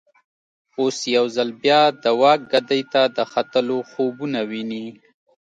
اوس یو ځل بیا د واک ګدۍ ته د ختلو خوبونه ویني.